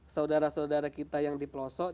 saudara saudara kita yang di pelosok